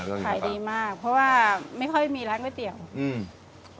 ขายดีมากเพราะว่าไม่ค่อยมีร้านก๋วยเตี๋ยวอืม